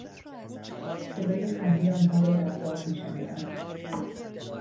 صدای خندهی آنها را در باغ میشنیدم.